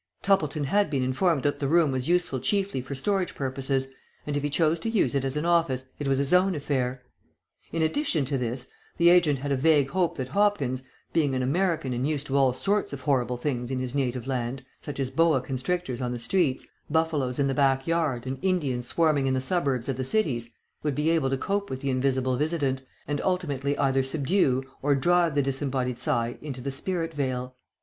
Toppleton had been informed that the room was useful chiefly for storage purposes, and if he chose to use it as an office, it was his own affair. In addition to this, the agent had a vague hope that Hopkins, being an American and used to all sorts of horrible things in his native land such as boa constrictors on the streets, buffaloes in the back yard, and Indians swarming in the suburbs of the cities, would be able to cope with the invisible visitant, and ultimately either subdue or drive the disembodied sigh into the spirit vale.